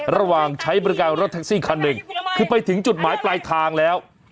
ระหว่างใช้บริการรถแท็กซี่คันหนึ่งคือไปถึงจุดหมายปลายทางแล้ว